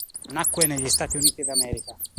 Nacque negli Stati Uniti d'America.